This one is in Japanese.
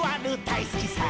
「大好きさ」